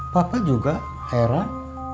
papa juga heran